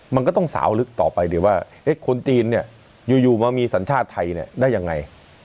มันก็ต้องสาวลึกต่อไปดิว่าคนจีนเนี่ยอยู่มามีสัญชาติไทยได้ยังไง